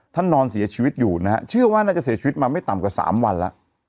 นอนเสียชีวิตอยู่นะฮะเชื่อว่าน่าจะเสียชีวิตมาไม่ต่ำกว่า๓วันแล้ว